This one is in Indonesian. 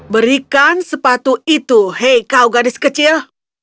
berikan sepatu itu hei kau gadis kecil